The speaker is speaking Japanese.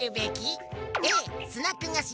Ａスナックがし。